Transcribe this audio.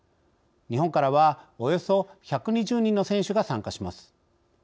日本からはおよそ１２０人の選手が参加します。